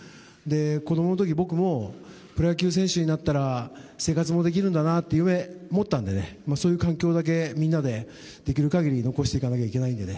子供の時僕もプロ野球選手になったら生活もできるんだなっていう夢を持ったんでねそういう環境だけみんなでできる限り残していかないといけないのでね。